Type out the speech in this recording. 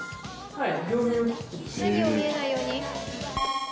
はい。